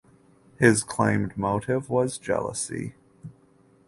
His claimed motive was jealousy.